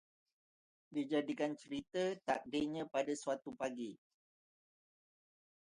Dijadikan cerita, takdirnya pada suatu pagi